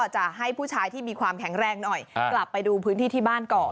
จะให้ผู้ชายที่มีความแข็งแรงหน่อยกลับไปดูพื้นที่ที่บ้านก่อน